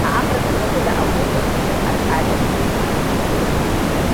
A Amurka ta Kudu, akwai birbishin al'adar Indiyawa.